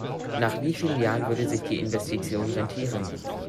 Nach wie vielen Jahren würde sich die Investition rentieren?